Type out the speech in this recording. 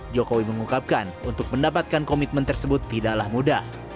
jokowi mengungkapkan untuk mendapatkan komitmen tersebut tidaklah mudah